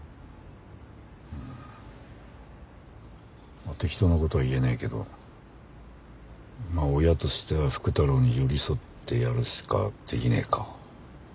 うーん適当な事は言えないけど親としては福太郎に寄り添ってやるしかできねえか。